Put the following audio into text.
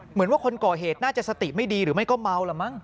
เหมือนว่าคนก่อเหตุน่าจะสติไม่ดีหรือไม่ก็เมาแล้วมั้ง